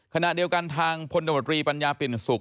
ขณะเดียวกันทางพลตมตรีปัญญาปิ่นสุข